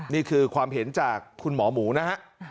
นี่คือความเห็นจากคุณหมอหมูนะฮะ